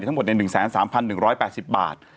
ทั้งหมดใน๑๓๑๘๐บาท